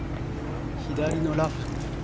左のラフ